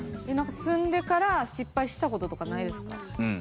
住んでから失敗したこととかないですか？